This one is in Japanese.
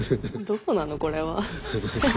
どこなのこれは。